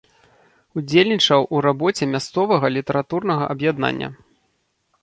Удзельнічаў у рабоце мясцовага літаратурнага аб'яднання.